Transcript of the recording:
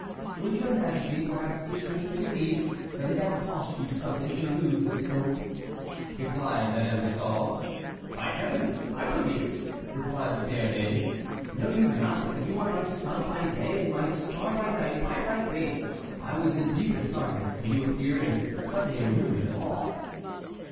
"Would your majesty perhaps wish me to believe that it had cost you something to lose this hope?" replied Madame de Sauve. "By Heaven! I believe it!" replied the Béarnais; "know you not that you are my sun by day and my star by night? By my faith, I was in deepest darkness till you appeared and suddenly illumined all."